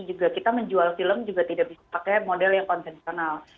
juga kita menjual film juga tidak bisa pakai model yang konvensional